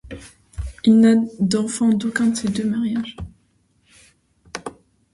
Il n'a d'enfants d'aucun de ces deux mariages.